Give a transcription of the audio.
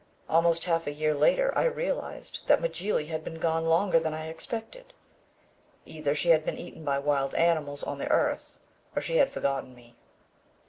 Almost half a year later I realized that Mjly had been gone longer than I expected. Either she had been eaten by wild animals on the earth, or she had forgotten me.